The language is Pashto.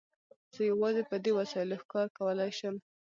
زه یوازې په دې وسایلو ښکار کولای شم.